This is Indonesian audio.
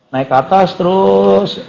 naik ke atas terus